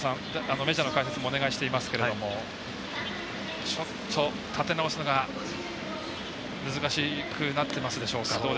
メジャーの解説もお願いしていますがちょっと、立て直すのが難しくなってますでしょうか。